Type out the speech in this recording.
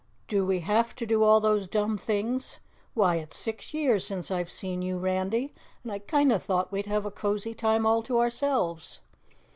Do we have to do all those dumb things? Why, it's six years since I've seen you, Randy, and I kinda thought we'd have a cozy time all to ourselves."